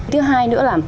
thứ hai nữa là